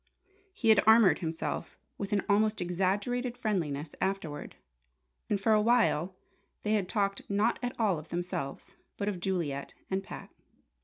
He had armoured himself with an almost exaggerated friendliness afterward; and for a while they had talked not at all of themselves, but of Juliet and Pat.